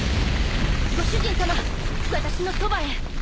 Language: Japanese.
ご主人さま私のそばへ！